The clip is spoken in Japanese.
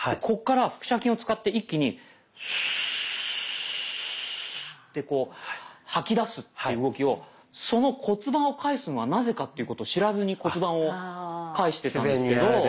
こっから腹斜筋を使って一気にスーッてこう吐き出すという動きをその骨盤をかえすのがなぜかっていうことを知らずに骨盤をかえしてたんですけど。